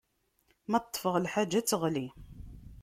Ma ṭṭfeɣ lḥaǧa, ad teɣli.